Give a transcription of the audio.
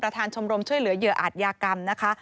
ประธานชมรมเช่าเหลือเหยื่ออาทยากรรมนะคะ